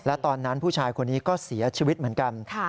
และตอนนั้นผู้ชายคนนี้ก็เสียชีวิตเหมือนกัน